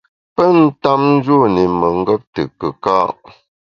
Pe ntap njûn i mengap te kùka’.